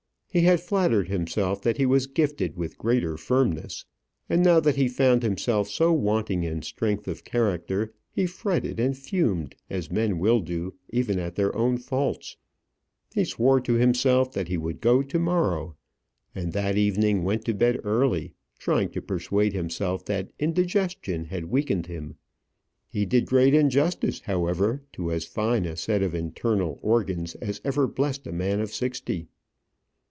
He had flattered himself that he was gifted with greater firmness; and now that he found himself so wanting in strength of character, he fretted and fumed, as men will do, even at their own faults. He swore to himself that he would go to morrow, and that evening went to bed early, trying to persuade himself that indigestion had weakened him. He did great injustice, however, to as fine a set of internal organs as ever blessed a man of sixty.